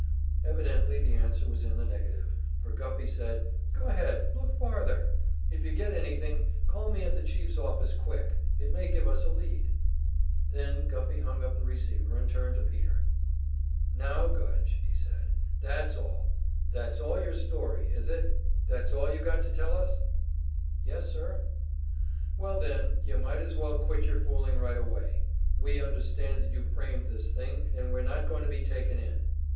Evidently the answer was in the negative, for Guffey said: "Go ahead, look farther; if you get anything, call me at the chief's office quick. It may give us a lead." Then Guffey hung up the receiver and turned to Peter. "Now Gudge," he said, "that's all your story, is it; that's all you got to tell us?" "Yes, sir." "Well then, you might as well quit your fooling right away. We understand that you framed this thing up, and we're not going to be taken in."